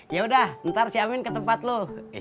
ya udah ntar si amin ke tempat lo